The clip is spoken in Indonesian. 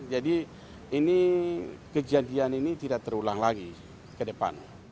jadi ini kejadian ini tidak terulang lagi ke depan